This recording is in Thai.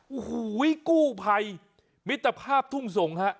โอ้โหวิกู้ภัยมิตรภาพทุ่มส่งครับ